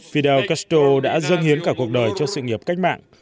fidel castro đã dâng hiến cả cuộc đời cho sự nghiệp cách mạng